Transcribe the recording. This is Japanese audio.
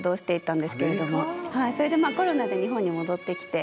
それでコロナで日本に戻って来て。